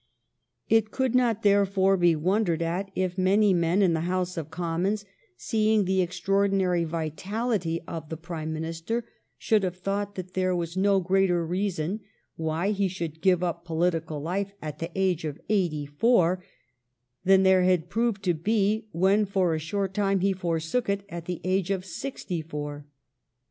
It could not, therefore, be wondered at if many men in the House of Commons, seeing the extraordinary vi tality of the Prime Minister, should have thought that there was no greater reason why he should give up political life at the age of eighty four than there had proved to be when for a short time he forsook it at the age of sixty four.